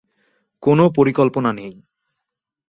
কোনো পরিকল্পনা নেই।